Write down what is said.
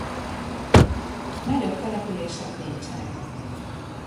Nagyobb települések nincsenek.